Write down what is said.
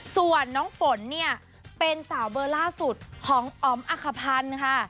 ส่วนน้องฝนเนี่ยเป็นสาวเบอร์ล่าสุดของอ๋อมอคพันธ์ค่ะ